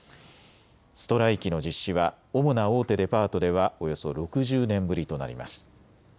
ストライキの実施は主な大手デパートではおよそ６０年ぶりとなります。